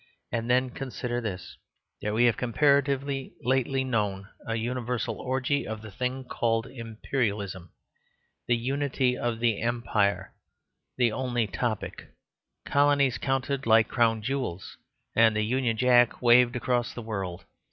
And then consider this: that we have comparatively lately known a universal orgy of the thing called Imperialism, the unity of the Empire the only topic, colonies counted like crown jewels, and the Union Jack waved across the world.